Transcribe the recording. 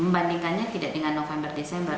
membandingkannya tidak dengan november desember